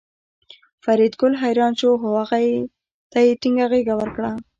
فریدګل حیران شو خو هغه ته یې ټینګه غېږه ورکړه